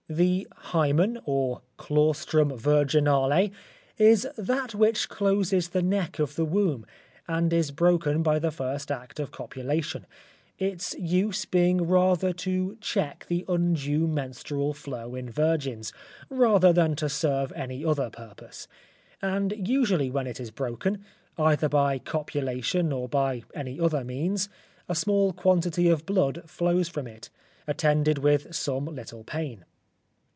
The hymen, or claustrum virginale, is that which closes the neck of the womb, and is broken by the first act of copulation; its use being rather to check the undue menstrual flow in virgins, rather than to serve any other purpose, and usually when it is broken, either by copulation, or by any other means, a small quantity of blood flows from it, attended with some little pain.